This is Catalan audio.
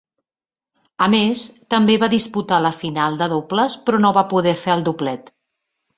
A més, també va disputar la final de dobles però no va poder fer doblet.